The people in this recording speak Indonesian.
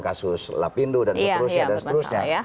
kasus lapindu dan seterusnya